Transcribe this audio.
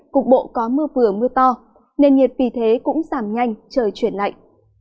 cục bộ có mưa vừa mưa to nền nhiệt vì thế cũng giảm nhanh trời chuyển lạnh